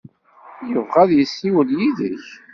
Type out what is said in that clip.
Yebɣa ad yessiwel yid-k.